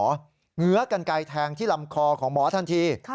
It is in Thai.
เหื้อกันไกลแทงที่ลำคอของหมอทันที